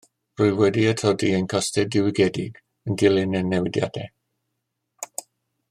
Rwyf wedi atodi ein costau diwygiedig yn dilyn y newidiadau